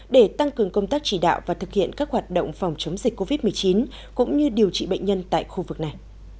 để tăng cường công tác chỉ đạo và thực hiện các hoạt động phòng chống dịch covid một mươi chín cũng như điều trị bệnh nhân tại khu vực này